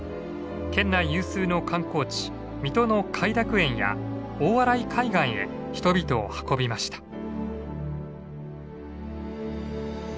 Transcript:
県内有数の観光地水戸の偕楽園や大洗海岸へ人々を運びました。